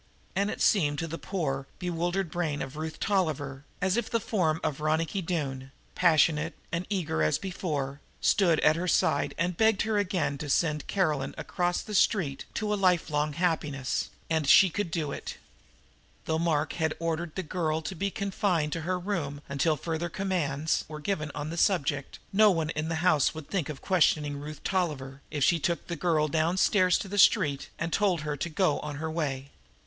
And it seemed to the poor, bewildered brain of Ruth Tolliver, as if the form of Ronicky Doone, passionate and eager as before, stood at her side and begged her again to send Caroline Smith across the street to a lifelong happiness, and she could do it. Though Mark had ordered the girl to be confined to her room until further commands were given on the subject, no one in the house would think of questioning Ruth Tolliver, if she took the girl downstairs to the street and told her to go on her way.